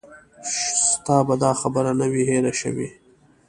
ستا به دا خبره نه وي هېره شوې.